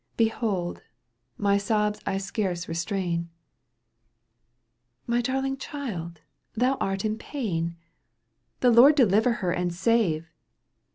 Behold, my sobs I scarce restrain —" My darling child, thou art in pain. — The Lord deliver her and save